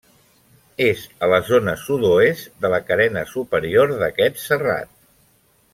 És a la zona sud-oest de la carena superior d'aquest serrat.